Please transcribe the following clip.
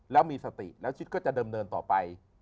แล้วมีสติแล้วชิดก็จะเดิมเนินต่อไป